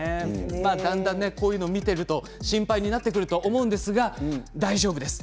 だんだんこういうの見てると心配になってくると思うんですが大丈夫です。